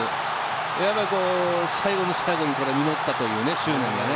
やっぱり最後の最後に実ったという、執念がね